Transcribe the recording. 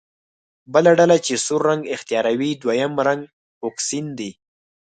بله ډله چې سور رنګ اختیاروي دویم رنګ فوکسین دی.